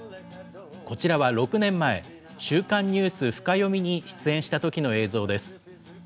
こちらは６年前、週刊ニュース深読みに出演したときの映像です。